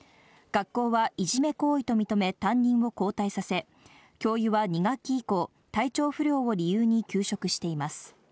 学校はいじめ行為と認め、担任を交代させ、教諭は２学期以降、体調不良を理由に休職しています。